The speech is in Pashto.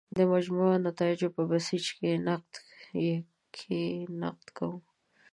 د مجموعي نتایجو په بیسج کې نقد کوو.